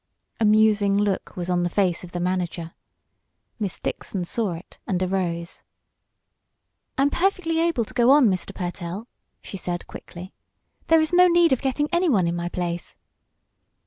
A musing look was on the face of the manager. Miss Dixon saw it, and arose. "I am perfectly able to go on, Mr. Pertell," she said, quickly. "There is no need of getting anyone in my place."